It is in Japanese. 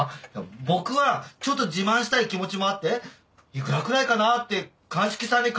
僕はちょっと自慢したい気持ちもあっていくらくらいかなって鑑識さんに鑑定してもらったんですよ。